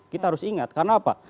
kita harus ingat karena apa